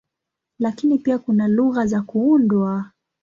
Lakini pia kuna lugha za kuundwa.